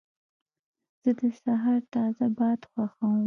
زه د سهار تازه باد خوښوم.